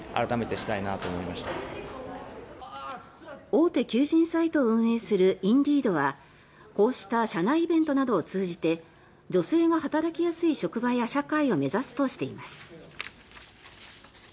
大手求人サイトを運営するＩｎｄｅｅｄはこうした社内イベントなどを通じて女性が働きやすい職場や社会を目指すとしています。